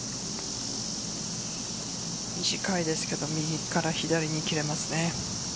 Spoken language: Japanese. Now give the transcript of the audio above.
短いですけど右から左に切れます。